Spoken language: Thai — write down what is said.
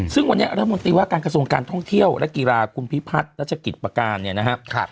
ซึ่งวันนี้รัฐมนตรีว่าการกระทรวงการท่องเที่ยวและกีฬาคุณพิพัฒน์รัชกิจประการเนี่ยนะครับ